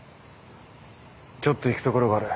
ちょっと行く所がある。